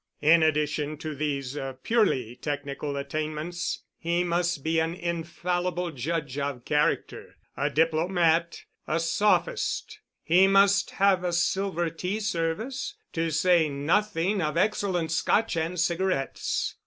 In addition to these purely technical attainments, he must be an infallible judge of character, a diplomat, a sophist; he must have a silver tea service, to say nothing of excellent Scotch and cigarettes.